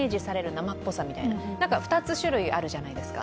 生っぽさの２つ種類があるじゃないですか。